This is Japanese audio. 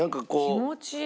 気持ちいい。